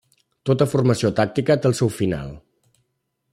Tota formació tàctica té el seu final.